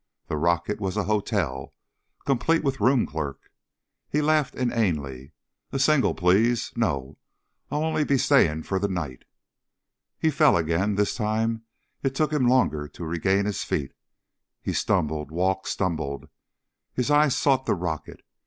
The rocket was a hotel, complete with room clerk. He laughed inanely. A Single, please. No, I'll only be staying for the night. He fell again. This time it took him longer to regain his feet. He stumbled ... walked ... stumbled. His eyes sought the rocket.